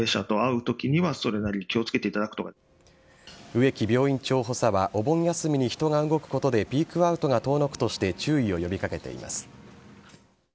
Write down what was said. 植木病院長補佐はお盆休みに人が動くことでピークアウトが遠のくとして注意を呼び掛けています。